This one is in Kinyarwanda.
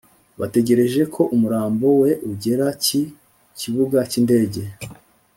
Bategereje ko umurambo we ugera ki kibuga cy’indege